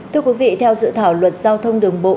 thưa quý vị theo dự thảo luật giao thông đường bộ